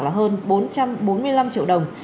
là hơn bốn trăm bốn mươi năm triệu đồng